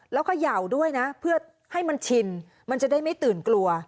แล้วก็เห่าด้วยนะเพื่อให้มันชินมันจะได้ไม่ตื่นกลัว